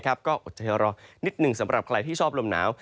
ก็อดใจรอนิดหนึ่งสำหรับใครที่ชอบลมหนาว